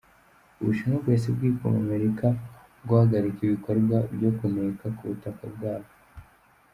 U Bushinwa bwahise bwikoma Amerika guhagarika ibikorwa byo kuneka ku butaka bwayo.